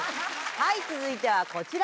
はい続いてはこちら！